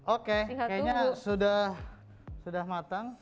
oke kayaknya sudah matang